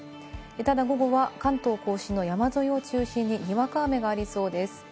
ただ午後は関東甲信の山沿いを中心に、にわか雨がありそうです。